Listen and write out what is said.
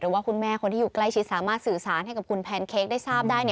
ว่าคุณแม่คนที่อยู่ใกล้ชิดสามารถสื่อสารให้กับคุณแพนเค้กได้ทราบได้